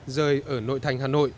rơi ở nội thành hà nội